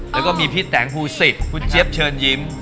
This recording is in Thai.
แล้วก็มีพี่แตงพูศิษย์พี่เจ๊บเชิญยิ้ม